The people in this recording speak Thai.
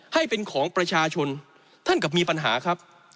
ให้เป็นของประชาชนท่านก็มีปัญหาครับ